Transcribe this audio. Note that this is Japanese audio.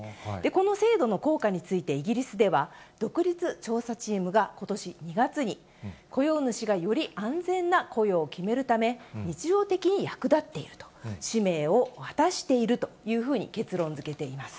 この制度の効果についてイギリスでは、独立調査チームがことし２月に、雇用主がより安全な雇用を決めるため、日常的に役立っていると、使命を果たしているというふうに結論づけています。